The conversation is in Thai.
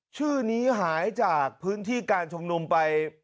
ชื่อนี้หายจากพื้นที่การชุมนุมไป